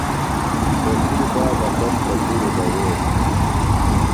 تسی بابہ تس تھےۡ کُڑیۡ دویلیۡ دےۡ۔